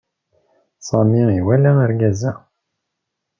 Sami iwala argaz-a.